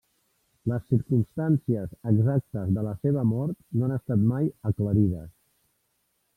Les circumstàncies exactes de la seva mort no han estat mai aclarides.